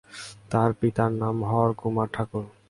তার পিতার নাম হর কুমার ঠাকুর।